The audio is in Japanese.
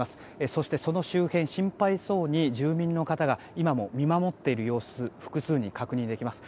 そしてその周辺心配そうに住民の方が今も見守っている様子複数人、確認できます。